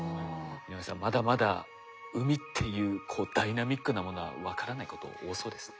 井上さんまだまだ海っていうこうダイナミックなものは分からないこと多そうですね。